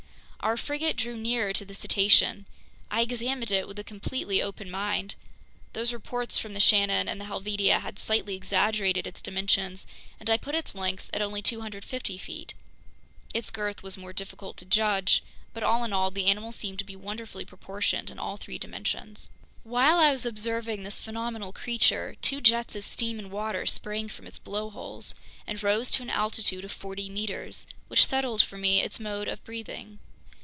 Our frigate drew nearer to the cetacean. I examined it with a completely open mind. Those reports from the Shannon and the Helvetia had slightly exaggerated its dimensions, and I put its length at only 250 feet. Its girth was more difficult to judge, but all in all, the animal seemed to be wonderfully proportioned in all three dimensions. While I was observing this phenomenal creature, two jets of steam and water sprang from its blowholes and rose to an altitude of forty meters, which settled for me its mode of breathing.